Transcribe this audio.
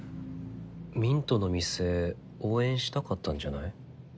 ミントの店応援したかったんじゃない？